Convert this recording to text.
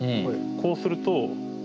こうすると。